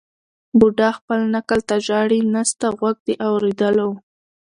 بوډا خپل نکل ته ژاړي نسته غوږ د اورېدلو